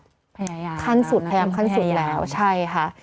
พยายามพยายามขั้นสุดแล้วใช่ค่ะ